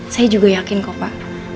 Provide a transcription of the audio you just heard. saya juga yakin kok pak